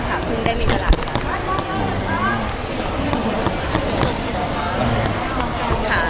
ละครไม่จบไปเลยค่ะ